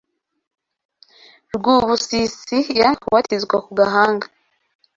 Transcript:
Rwubusisi yanze kubatizwa ku gahanga